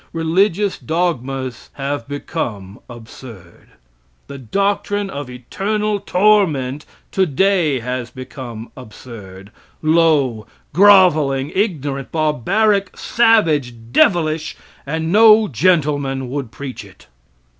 Religious dogmas have become absurd. The doctrine of eternal torment today has become absurd, low, groveling, ignorant, barbaric, savage, devilish and no gentleman would preach it.